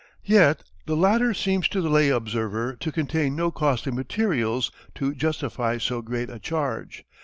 Yet the latter seems to the lay observer to contain no costly materials to justify so great a charge.